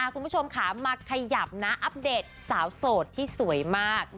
คุณผู้ชมค่ะมาขยับนะอัปเดตสาวโสดที่สวยมาก